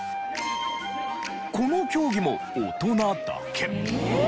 この競技も大人だけ。